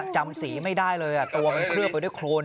จำสีไม่ได้เลยตัวมันเคลือบไปด้วยโครน